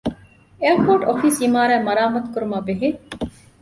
އެއަރޕޯޓް އޮފީސް އިމާރާތް މަރާމާތުކުރުމާ ބެހޭ